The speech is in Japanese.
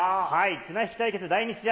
綱引き対決第２試合。